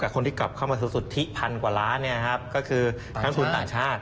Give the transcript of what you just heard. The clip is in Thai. คนที่กลับมาออกมาสุทธิ๑๐๐๐แล้วก็คือทั้งธุรก์ต่างชาตะ